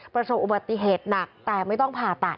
ประสบอุบัติเหตุหนักแต่ไม่ต้องผ่าตัด